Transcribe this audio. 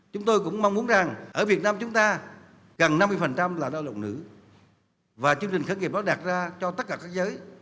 chúng tôi cũng mong muốn rằng ở việt nam chúng ta cần năm mươi là lao động nữ và chương trình khởi nghiệp đó đặt ra cho tất cả các giới